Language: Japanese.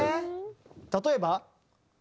例えば。